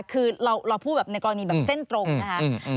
คือเราพูดแบบในกรณีแบบเส้นตรงนะคะ